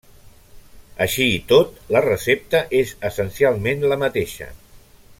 Així i tot, la recepta és essencialment la mateixa.